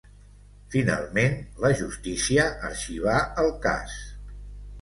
Finalment, la justícia arxivà el cas.